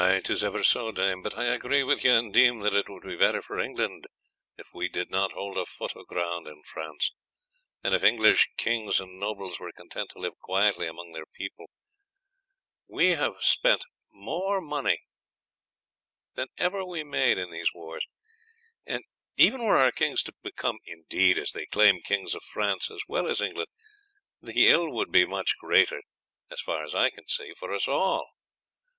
"'Tis ever so, dame; but I agree with you, and deem that it would be better for England if we did not hold a foot of ground in France, and if English kings and nobles were content to live quietly among their people. We have spent more money than ever we made in these wars, and even were our kings to become indeed, as they claim, kings of France as well as England, the ill would be much greater, as far as I can see, for us all.